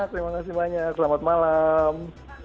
terima kasih banyak selamat malam